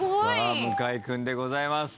向井君でございます。